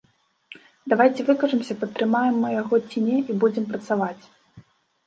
Давайце выкажамся, падтрымаем мы яго ці не, і будзем працаваць.